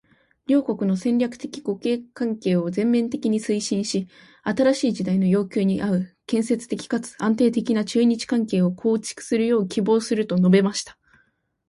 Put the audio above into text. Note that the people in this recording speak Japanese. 「両国の戦略的互恵関係を全面的に推進し、新しい時代の要求に合う建設的かつ安定的な中日関係を構築するよう希望する」と述べました。